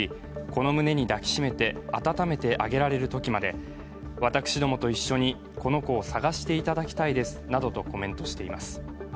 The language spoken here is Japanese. この胸に抱きしめてあたためてあげられる時まで私どもと一緒にこの子を捜していただきたいですなどとコメントしています。